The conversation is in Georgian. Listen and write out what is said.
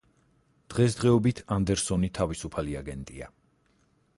დღესდღეობით ანდერსონი თვისუფალი აგენტია.